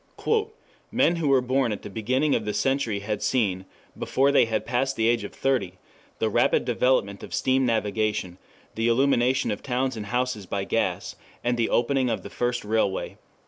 "Men who were born at the beginning of the century had seen, before they had passed the age of thirty, the rapid development of steam navigation, the illumination of towns and houses by gas, the opening of the first railway."